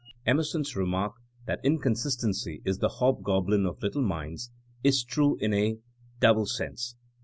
Emerson's remark, that inconsistency is the hobgoblin of little minds, is true in a double sense.